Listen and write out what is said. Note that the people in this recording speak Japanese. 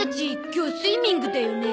今日スイミングだよね。